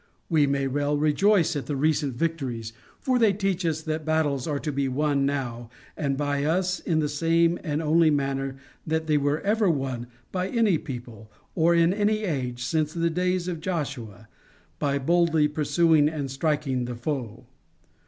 We may well rejoice at the recent victories, for they teach us that battles are to be won now and by us in the same and only manner that they were ever won by any people, or in any age, since the days of Joshua, by boldly pursuing and striking the foe.